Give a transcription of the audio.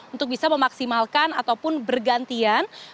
untuk bisa memaksimalkan ataupun bergantian